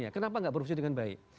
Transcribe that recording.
kenapa tidak berfungsi dengan baik